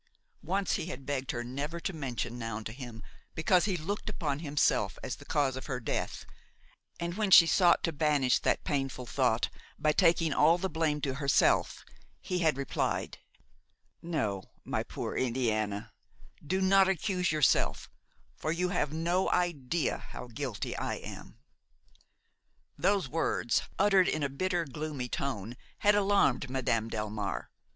Once he had begged her never to mention Noun to him because he looked upon himself as the cause of her death; and when she sought to banish that painful thought by taking all the blame to herself, he had replied: "No, my poor Indiana, do not accuse yourself; you have no idea how guilty I am." Those words, uttered in a bitter, gloomy tone, had alarmed Madame Delmare.